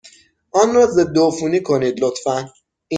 آن را ضدعفونی کنید، لطفا.